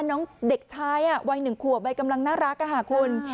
น้องเด็กชายวัย๑ขวบวัยกำลังน่ารักค่ะคุณ